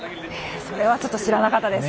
それはちょっと知らなかったです。